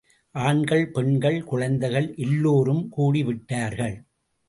ஆண்கள், பெண்கள், குழந்தைகள் எல்லோரும் கூடிவிட்டார்கள்.